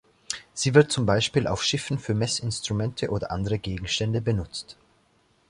Sie wird zum Beispiel auf Schiffen für Messinstrumente oder andere Gegenstände benutzt.